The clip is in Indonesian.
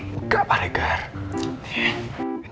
enggak pak rikard